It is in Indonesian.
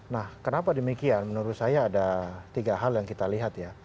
nah kenapa demikian menurut saya ada tiga hal yang kita lihat ya